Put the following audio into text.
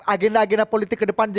agenda agenda politik ke depan